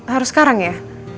harus sekarang ya